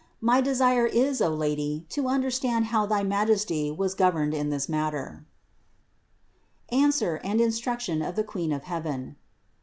My desire is, O Lady, to understand how thy Majesty was governed in this matter. ANSWER AND INSTRUCTION OF THE QUEEN OF HEAVEN.